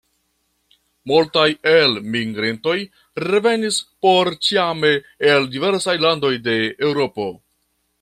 Multaj elmigrintoj revenis porĉiame el diversaj landoj de Eŭropo.